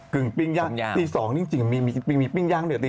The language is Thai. กึ่งปิ้งย่างตี๒จริงมีปิ้งย่างเหรอตี๒